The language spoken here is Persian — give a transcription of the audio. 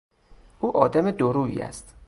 او آدم دورویی است.